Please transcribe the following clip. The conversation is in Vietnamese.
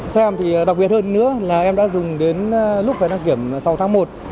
cho em thì đặc biệt hơn nữa là em đã dùng đến lúc phải đăng kiểm sáu tháng một